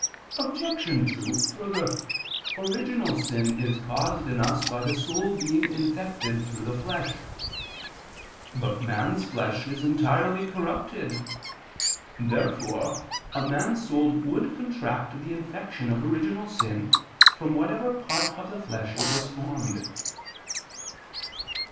Obj. 2: Further, original sin is caused in us by the soul being infected through the flesh. But man's flesh is entirely corrupted. Therefore a man's soul would contract the infection of original sin, from whatever part of the flesh it was formed.